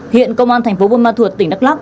hiện công an tp bôn ma thuật tỉnh đắk lắc